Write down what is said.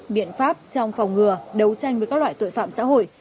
biện pháp trong phòng ngừa đấu tranh với các loại tội phạm xã hội